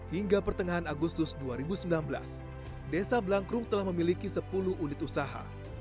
hingga pertengahan agustus dua ribu sembilan belas desa blangkrung telah memiliki sepuluh unit usaha